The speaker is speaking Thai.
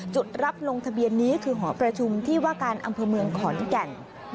จุดรับลงทะเบียนนี้คือหอประชุมที่ว่าการอำเภอเมืองขอนแก่น